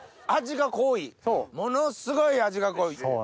味が濃いものすごい味が濃い。